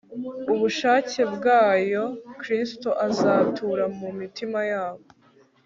ubushake bwayo Kristo azatura mu mitima yabo